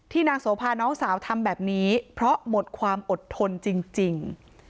นางโสภาน้องสาวทำแบบนี้เพราะหมดความอดทนจริง